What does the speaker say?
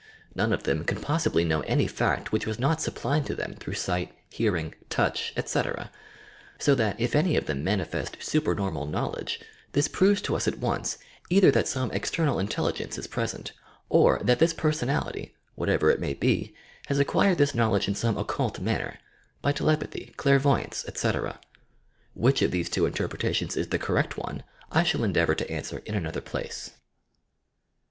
None of them can possibly know any fact which was not supplied to them through sight, hearing, touch, etc., — so that, if any of them manifest supernormal knowledge, this proves to us at once, either that some external intelligence is present, or that this personality, whatever it may be, has acquired this knowl edge in some occult manner, — by telepathy, clairvoyance, etc. Which of these two interpretations is the correct one I shall endeavour to answer in another place.